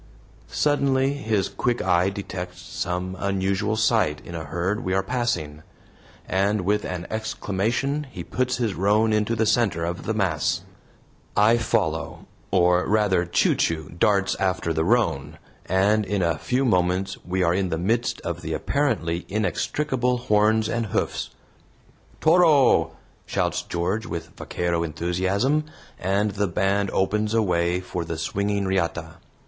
Suddenly his quick eye detects some unusual sight in a herd we are passing, and with an exclamation he puts his roan into the center of the mass. I follow, or rather Chu Chu darts after the roan, and in a few moments we are in the midst of apparently inextricable horns and hoofs. "TORO!" shouts George, with vaquero enthusiasm, and the band opens a way for the swinging riata.